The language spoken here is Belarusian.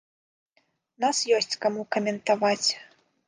Нас ёсць каму каментаваць.